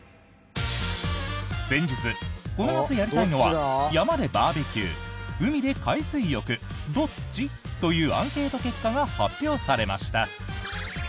先日、この夏やりたいのは山でバーベキュー海で海水浴、どっち？というアンケート結果が発表されました。